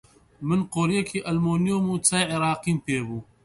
من قۆرییەکی ئەلمۆنیۆم و چای عێراقیم پێ بوو